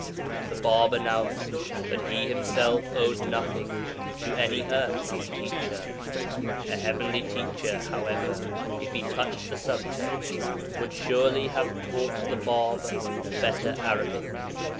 The Bāb announced that he himself owed nothing to any earthly teacher. A heavenly teacher, however, if he touched the subject, would surely have taught the Bāb better Arabic.